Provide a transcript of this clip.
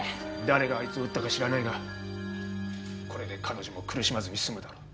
誰があいつを撃ったか知らないがこれで彼女も苦しまずにすむだろう。